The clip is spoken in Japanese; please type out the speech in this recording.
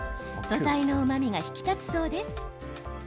素材のうまみが引き立つそうです。